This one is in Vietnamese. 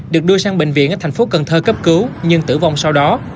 được đưa sang bệnh viện ở thành phố cần thơ cấp cứu nhưng tử vong sau đó